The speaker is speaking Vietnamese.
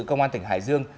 công an tỉnh hải dương